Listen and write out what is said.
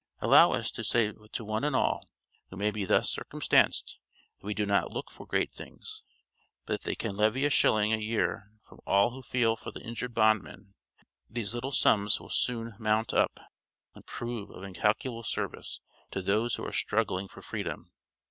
Allow us to say to one and all, who may be thus circumstanced, that we do not look for great things, but that if they can levy a shilling a year from all who feel for the injured bondman, these little sums would soon mount up and prove of incalculable service to those who are struggling for freedom.